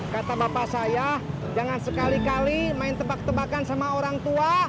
kata bapak saya jangan sekali kali main tebak tebakan sama orang tua